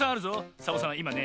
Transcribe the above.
サボさんはいまね